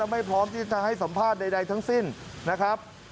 ไม่พร้อมที่จะให้สัมภาษณ์ใดทั้งสิ้นนะครับ